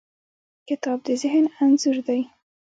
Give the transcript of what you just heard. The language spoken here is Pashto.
کتاب د ذهن انځور دی.